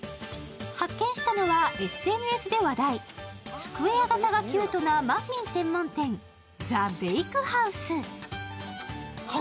発見したのはＳＮＳで話題、スクエア型がキュートなマフィン専門店ザ・ベイクハウス。